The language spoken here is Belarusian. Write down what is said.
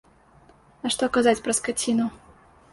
А што казаць пра скаціну!